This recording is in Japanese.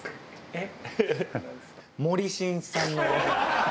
えっ？